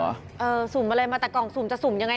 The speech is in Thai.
เออสุ่มมาเลยแต่กล่องสมจะสุ่มอย่างไร